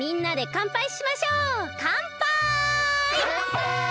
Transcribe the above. かんぱい！